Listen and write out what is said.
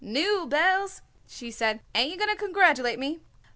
"Nu, Belz," she said, "ain't you going to congradulate me?"